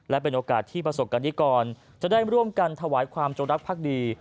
และเป็นโอกาสที่ประสบกรณิกรจะได้ร่วมกันถวายความจงรักภักดี